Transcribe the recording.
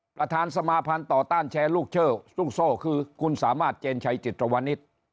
ประธานสมาภัณฑ์ต่อต้านแชร์ลูกเช่าลูกโซ่คือคุณสามารถเจนชัยจิตรวนิต